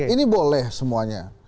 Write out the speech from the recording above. ini boleh semuanya